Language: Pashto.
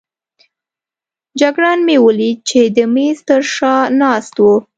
جګړن مې ولید چې د مېز تر شا ناست وو.